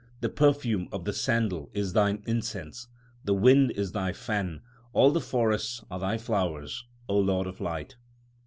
The perfume of the sandal l is Thine incense ; the wind is Thy fan ; 2 all the forests are Thy flowers, O Lord of light.